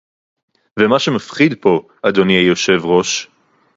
ומה שמפחיד פה, אדוני היושב-ראש